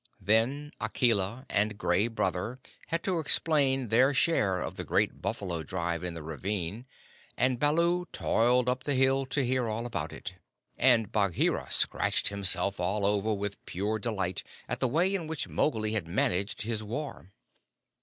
Then Akela and Gray Brother had to explain their share of the great buffalo drive in the ravine, and Baloo toiled up the hill to hear all about it, and Bagheera scratched himself all over with pure delight at the way in which Mowgli had managed his war.